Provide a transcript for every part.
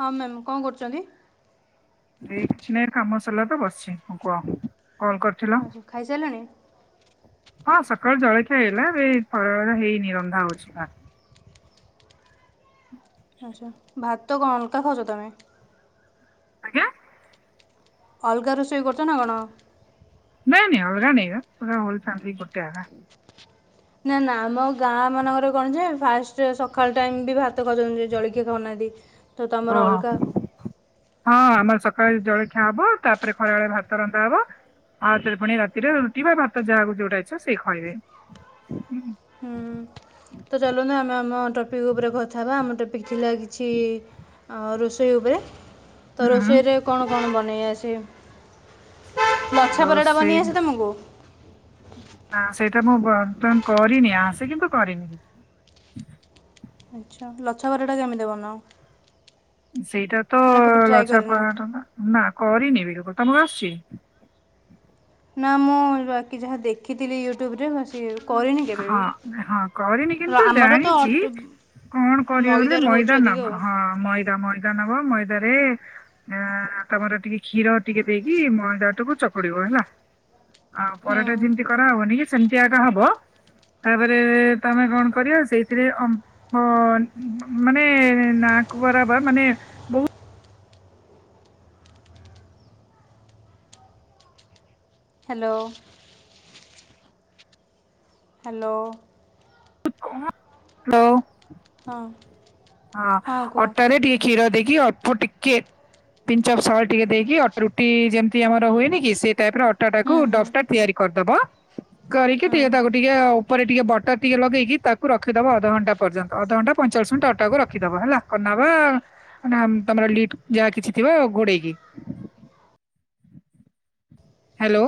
ହଁ ମ୍ୟାମ କଣ କରୁଚନ୍ତି? କିଛି ନାଇଁ କାମ ସରିଲା ତ ବସିଛି। ହଁ କୁହ କଲ କର ଆ ସବୁ ଖାଇସାରିଲଣି? ହଁ ସକାଳୁ ଜଳଖିଆ ହେଇଗଲା ଏବେ [unintelligible] ହେଇନି ରନ୍ଧା ହଉଛି ଭାତ୍। ଆଚ୍ଛା ଭାତ କଣ ଅଲକା ଖାଉଛ ତମେ? ଆଜ୍ଞା? ଅଲଗା ରୋଷେଇ କରୁଛ ନା କଣ? ନାଇଁ ନାଇଁ ଅଲଗା ନାଇଁ ବା ପୁରା ହୋଲ ଫ୍ୟାମିଲି ଗୋଟେ ଆଗା। ନା ନା ଆମ ଗାଁ ମାନଙ୍କରେ କଣ ଯେ ଫାଷ୍ଟ ସେ ସକାଳ ଟାଇମ ବି ଭାତ ଖାଉଚନ୍ତି। ଜଳଖିଆ ଖାଉନାହାନ୍ତିି। ଓହୋ। ହଁ ଆମର ସକାଳେ ଜଳଖିଆ ହବ। ତାପରେ ଖରାବେେଳେ ଭାତ ରନ୍ଧା ହବ। ଆଉଥରେ ପୁଣି ରାତିରେ ରୁଟି ବା ଭାତ ଯାହାକୁ ଯୋଉଟା ଇଚ୍ଛା ସେ ଖଇବେ। ହୁଁ। ତ ଚାଲୁନ୍ତୁ ଆମେ ଆମ ଟପିକ୍ ଉପରେ କଥା ହେବା। ଆମ ଟପିକ୍ ଥିଲା କିଛି ଆ ରୋଷେଇ ଉପରେ। ତ ହୁଁ ରୋଷେଇରେ କଣ କଣ ବନେଇଆସେ? ଲଛା ଆଉ ପରଟା ସେଇ ବନେଇ ଆସେ ତମକୁ? ହଁ ସେଇଟା ମୁଁ ବର୍ତ୍ତମାନ କରିନି। ଆସେ କିନ୍ତୁ କରିନି। ଆଚ୍ଛା। ଲଛାପରଟା କେମିତି ବନାଅ? ସେଇଟା ତ ନା କେବେ ଟ୍ରାଏ କରିନ ଲଛାପରଟା ଟା ନା କରିନି ବିଲକୁଲ ତମକୁ ଆସିଛି? ନା ମୁଁ ବାକି ଯାହା ଦେଖିଥିଲି ୟୁଟ୍ୟୁବ ରେ ବାସ୍ ହଁ ହଁ କରିନି କିନ୍ତୁ ଆମର ତ ଜାଣିଛି ଅଟ କଣ କରିବା ବଲେ ମଇଦାରେ ହେଉଛି ମଇଦା ଅଧିକ ନବ। ଆଉ ହଁ ମଇଦା ମଇଦା ନବ। ମଇଦାରେ ଆ ତମର ଟିକେ କ୍ଷୀର ଟିକେ ଦେଇକି ମଇଦାଟାକୁ ଚକଡିବ ହେଲା। ଆଉ ହୁଁ ପରଟା ଯେମିତି କରାହବନି ସେମିତି ଆଗା ହବ। ତାପରେ ତମେ କଣ କରିବ ସେଇଥିରେ କମ୍ ହ ନ ମାନେ ନାକୁ ବରାବର ମାନେ ବହୁତ ହ୍ୟାଲୋ ହାଲୋ ହ୍ୟାଲୋ ହଁ ହଁ ଅଟାରେ ଟିକେ କ୍ଷୀର ଦେଇକି ଅଳ୍ପ ଟିକେ ପିଞ୍ଚ ଅଫ୍ ସଲ୍ଟ ଟିକେ ଦେଇକି ଅ ରୁଟି ଯେମିତି ଆମର ହୁଏନି କି ସେ ଟାଇପ ର ଅଟା ଟାକୁ ହୁଁ ହୁଁ ଦଶଟା ତିଆରି କରିଦବ। କରିକି ହୁଁ ଟିକେ ତାକୁ ଟିକେ ଅପ ଉପରେ ଟିକେ ବଟର ଟିକେ ଲଗେଇି ତାକୁ ରଖ ରଖିଦବ ଅଧଘଣ୍ଟା ପର୍ଯ୍ୟନ୍ତ ଅଧଘଣ୍ଟା ପଇଁଚାଳିଶ ମିନିଟ ଅଟାକୁ ରଖିଦବ ହେଲା କରିନବ ତମର ଲିଟ୍ ଯାହା କିଛି ଥିବ ଘୋଡେଇକି ହ୍ୟାଲୋ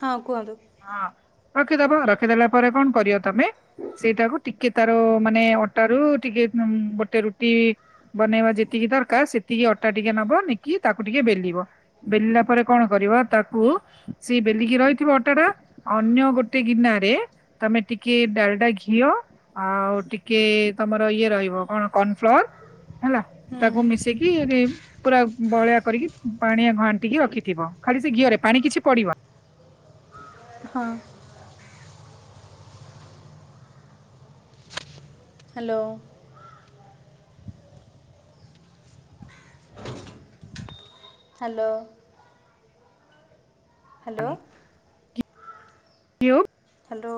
ହଁ କୁହନ୍ତୁ। ହଁ ରଖିଦବ ରଖିଦେଲା ପରେ କଣ କରିବ ତମେ ସେଇଟାକୁ ଟିକେ ତାର ମାନେ ଅଟା ରୁ ଟିକେ ଗୋଟେ ରୁଟି ବନେଇବା ଯେତିକି ଦରକାର ସେତିକି ଅଟା ଟିକେ ନବ ନେଇକି ତାକୁ ଟିକେ ବେଲିବ। ବେଲିଲା ପରେ କଣ କରିବା ତାକୁ ସେଇ ବେଲିକି ରହିଥିବ ଅଟା ଟା ଅନ୍ୟ ଗୋଟେ ଗିନାରେ ତମେ ଟିକେ ଡାଲଡା ଘିଅ ଆଉ ଟିକେ ତମର ଇଏ ରହିବ କଣ କର୍ଣଫ୍ଲୋର ହେଲା ହୁଁ ତାକୁ ମିଶେଇିକି ଏରେ ପୁରା ବଳିଆ କରିକି ପାଣିଆ ଘାଣ୍ଟିକି ରଖିଥିବ ଖାଲି ସେ ଘିଅରେ ପାଣି କିଛି ପଡିବ। ହଁ। Hello. Hello. Hello. You. Hello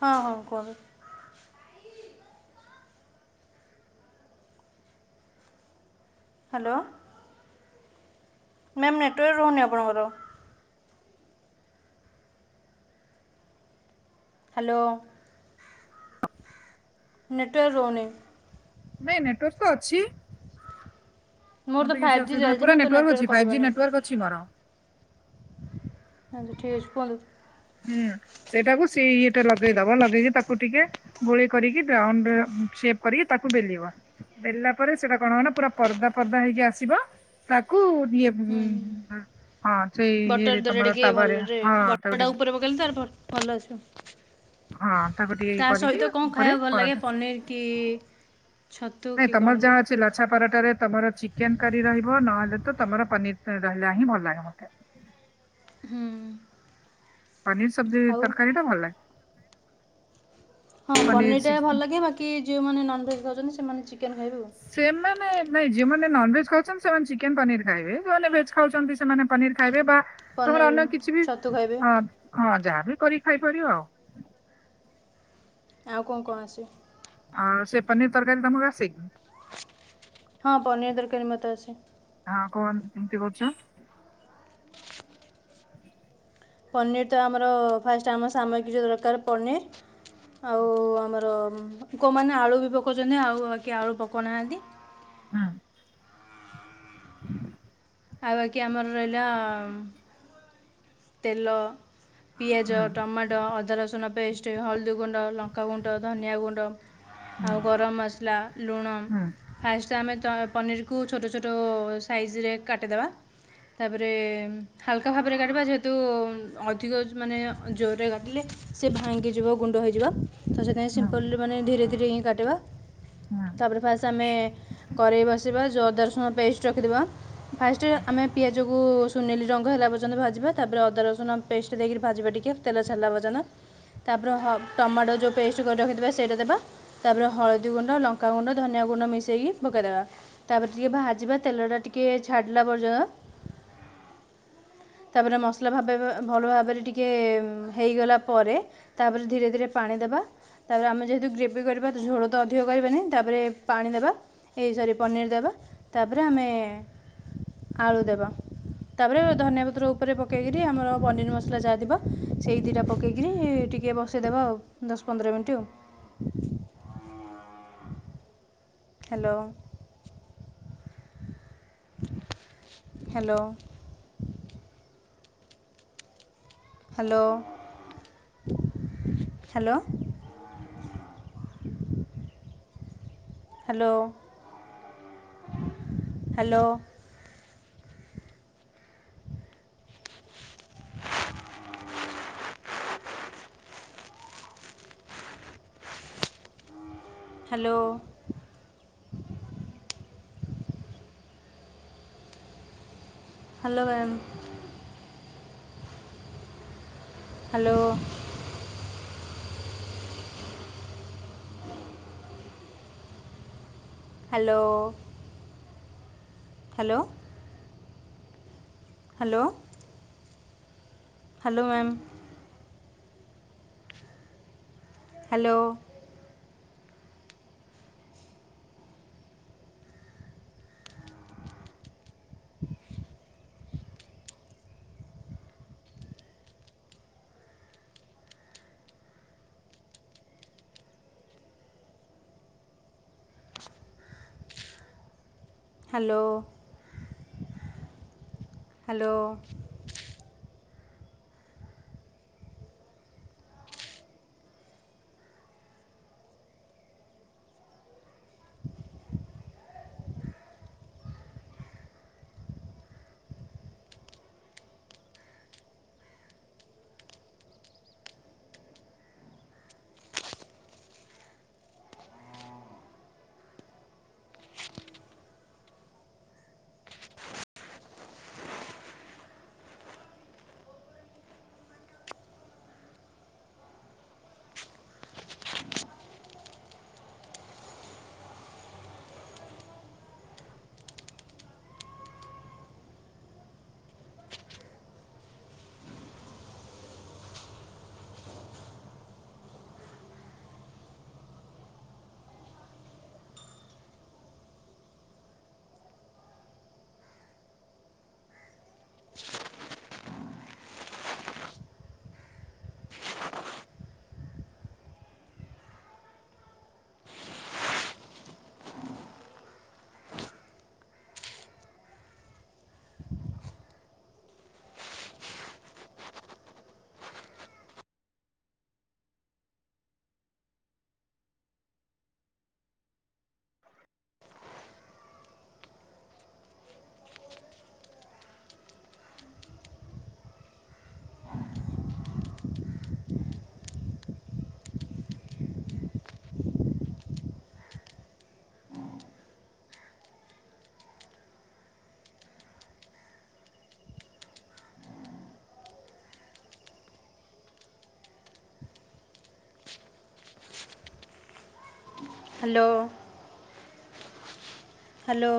ହଁ ହଁ କୁହନ୍ତୁ। ହ୍ୟାଲୋ ମ୍ୟାମ୍ ନେଟୱାର୍କ ରହୁନି ଆପଣଙ୍କର। ହ୍ୟାଲୋ ନେଟୱାର୍ ରହୁନି। ନାଇଁ ନେଟୱାର ନେଟୱର୍କ ତ ଅଛି। ମୋର ତ ମତେ କିଛି ଫାଇଭ୍ ଜି ଅସବିଧା ଚାଲିଛି ନା ହୋଇପାରେନାହିଁ ତ ନେଟୱାର୍କ ଅଛି ଫାଇଭ୍ ଜି କଟିବନି ନେଟୱାର୍କ ଅଛି ମୋର। [unintelligible] ହୁଁ ସେଇଟାକୁ ସି ଇଟା ଲଗେଇଦବ ଲଗେଇକି ତାକୁ ଟିକେ ଗୋଳେଇ କରିକି ତ ଅଣ୍ଡ ସେପ କରିକି ତାକୁ ବେଲିବ। ବେଲା ପରେ ସେଇଟା କଣ ହବ ନା ପୁରା ପର୍ଦା ପର୍ଦା ହେଇକି ଆସିବ। ତାକୁ ଏ ହୁଁ ହୁଁ। ହଁ ସେଇ ବଟର ଇଏରେ ତମର ତାୱା ରେ ହଁ ତାକୁ କେମିତି ଅଛ, ଭଲ ଅଛ। ହଁ ତାକୁ ଟିକେ ଇଏ ତା କରିକି ସହିତ କଣ ଉପରେ ଖାଇବା ଭଲ ଲାଗେ ପରଟା ପନିର କି? ଛତୁ ନାଇଁ କି କଣ ତମର ବି ଯାହା ଅଛି ଲାଛାପରଟାରେ ତମର ଚିକେନ କରି ରହିବ ନହେଲେ ତ ତମର ପନିର ରହିଲା ହିଁ ଭଲ ଲାଗେ ମତେ। ହୁଁ। ପନିର ସବଜି ଆଉ ତରକାରୀ ଟା ଭଲ ଲାଗେ। ହଁ ପନିର ଟା ଭଲ ଲାଗେ ବାକି ଯେଉଁମାନେ ନନଭେଜ୍ ଖାଉଛନ୍ତି ସେମାନେ ଚିକେନ୍ ଖାଇବେ ଆଉ। ସେମାନେ ନାଇଁ ଯୋଉମାନେ ନନଭେଜ ଖାଉଛନ୍ତି ସେମାନେ ଚିକେନ ପନିର ଖାଇବେ ଯୋଉମାନେ ଭେଜ ଖାଉଛନ୍ତି ସେମାନେ ପନିର ଖାଇବେ ବା ପନିର ତମର ଅନ୍ୟ କିଛି ବି ଛତୁ ଖାଇବେ ହଁ ହଁ ଯାହା ବି କରିକି ଖାଇପାରିବ ଆଉ। ଆଉ କଣ କଣ ଆସେ? ଆଉ ସେ ପନିର ତରକାରୀ ତମକୁ ଆସେଇ? ହଁ ପନିର ତରକାରୀ ମତେ ଆସେ। ହଁ କୋହନ କେମତି କରୁଚୁ? ପନିର ତ ଆମର ଫାଷ୍ଟ ଆମ ସାମଗ୍ରିରେ ଦରକାର ପନିର ଆଉ ଆମର କୋଉମାନେ ଆଳୁ ବି ପକଉଛନ୍ତି ଆଉ ବାକି ଆଳୁ ପକଉନାହାନ୍ତି। ହଁ। ଆଉ ବାକି ଆମର ରହିଲା ତେଲ ପିଆଜ ହୁଁ ଟମାଟ ତ ଅଦା ରସୁଣ ପେଷ୍ଟ, ହଳଦୀ ଗୁଣ୍ଡ, ଲଙ୍କାଗୁଣ୍ଡ, ଧନିଆ ଗୁଣ୍ଡ ହୁଁ ଆଉ ଗରମ ମସଲା, ଲୁଣ ହୁଁ ଫାଷ୍ଟ ଆମେ ପନିରକୁ ଛୋଟ ଛୋଟ ସାଇଜରେ କାଟିଦେବା। ତାପରେ ହାଲକା ଭାବରେ କାଟିବା ଯେ କିନ୍ତୁ ଅଧିକ ମାନେ ଜୋରରେ କାଟିଲେ ସେ ଭାଙ୍ଗିଯିବ ଗୁଣ୍ଡ ହେଇଯିବ। ତ ସେଥିପାଇଁ ହୁଁ ସିମ୍ପଲ ମାନେ ଧୀରେ ଧୀରେ ହିଁ କାଟିବା। ହଁ। ତାରେ ଫାଷ୍ଟ ଆମେ କରେଇ ବସେଇବା, ଅଦା ରସୁଣ ପେଷ୍ଟ ରଖି ଦବା, ଫାଷ୍ଟ ହୁଁ। ଆମେ ପିଆଜ ଯୋଗୁ ସୁନେଲିି ରଙ୍ଗ ହେଲା ପର୍ଯ୍ୟନ୍ତ ଭାଜିବା। ତାପରେ ଅଦା ରସୁଣ ପେଷ୍ଟ ଦେଇକି ଭାଜିବା ଟିକେ ତେଲ ଛାଡିବା ପର୍ଯ୍ୟନ୍ତ। ତାପରେ ଟମାଟୋ ଯୋଉ ପେଷ୍ଟ ରଖି ଥିବା ସେଇଟା ଦେବା ତାପରେ ହଳଦୀ ଗୁଣ୍ଡ ଲଙ୍କାଗୁଣ୍ଡ ଧନିଆ ଗୁଣ୍ଡ ମିଶାଇକି ପକାଇଦେବା ତାପରେ ଟିକେ ଭାଜିବା ତେଲଟା ଟିକେ ଛାଡ଼ିଲା ପର୍ଯ୍ୟନ୍ତ ତାପରେ ମସଲା ଭାବେ ଭଲ ଭାବରେ ଟିକେ ହୋଇଗଲା ପରେ ତାପରେ ଧୀରେ ଧୀରେ ପାଣି ଦବା ତାପରେ ଆମେ ଯେହେତୁ ଗ୍ରେଭି କରିବା ଝୋଳ ତ ଅଧିକ କରିବାନି ତାପରେ ପାଣି ଦେବା ଏଇ ସରି ପନିର ଦେବା ତାପରେ ଆମେ ଆଳୁ ଦେବା ତାପରେ ଧନିଆ ପତ୍ର ଉପରେ ପକେଇକରି ଆମର ପନିର ମସଲା ଯାହାଥିବ ସେଇ ଦୁଇଟା ପକେଇକିରି ଟିକ ବସେଇଦେବା ଆଉ ଦଶ ପନ୍ଦର ମିନିଟ୍ ଆଉ hello hello hello hello hello hello hello hello ma'am hello hello hello hello hello ma'am hello hello hello [unintelligible] hello hello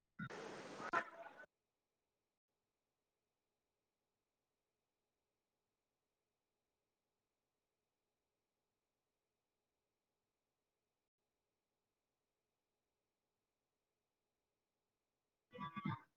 [unintelligible] ହଁ [inaudible]